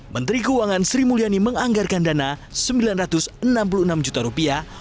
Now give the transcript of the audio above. menteri keuangan sri mulyani menganggarkan dana sembilan ratus enam puluh enam juta rupiah